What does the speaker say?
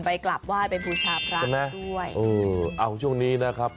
ไปกลับว่าเป็นพุชาพระด้วยเออเอาช่วงนี้นะครับ